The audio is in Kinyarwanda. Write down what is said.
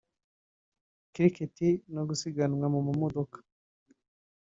Cricket no gusiganwa mu mamodoka